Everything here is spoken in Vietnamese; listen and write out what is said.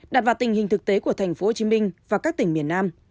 đạt vào tình hình thực tế của tp hcm và các tỉnh miền nam